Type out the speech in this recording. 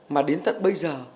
mà đến thật bây giờ